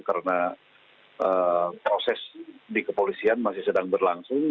karena proses di kepolisian masih sedang berlangsung